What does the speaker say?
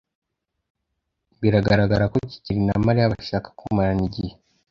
Biragaragara ko kigeli na Mariya bashaka kumarana igihe.